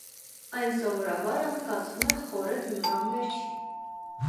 Այն սովորաբար անցկացվում է խորը ձմռան վերջին։